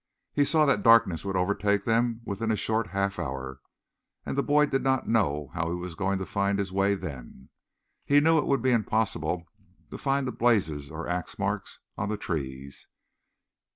He saw that darkness would overtake them within a short half hour, and the boy did not know how he was going to find his way then. He knew it would be impossible to find the blazes or axe marks on the trees.